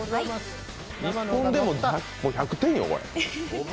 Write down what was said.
１本でも１００点よ。